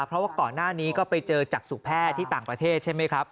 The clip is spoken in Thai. เพราะว่าก่อนหน้านี้ก็ไปเจอจักษุแพทย์ที่ต่างประเทศใช่ไหมครับ